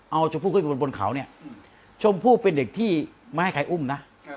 เอาชมพู่ขึ้นไปบนบนเขาเนี่ยชมพู่เป็นเด็กที่ไม่ให้ใครอุ้มนะ